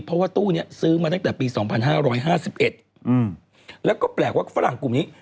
เพราะว่าตู้นี้ซื้อมาตั้งแต่ปี๒๕๕๑แล้วก็แปลกว่าฝรั่งกลุ่มนี้